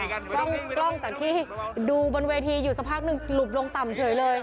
กล้องจากที่ดูบนเวทีอยู่สักพักหนึ่งหลุบลงต่ำเฉยเลย